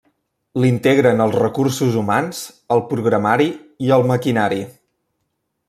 L'integren els recursos humans, el programari i el maquinari.